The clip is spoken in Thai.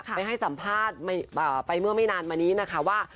ไปให้สัมภาษณ์ไปเมื่อไม่นานมานี้นะคะว่า